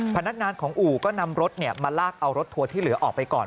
พนักงานของอู่ก็นำรถมาลากเอารถทัวร์ที่เหลือออกไปก่อน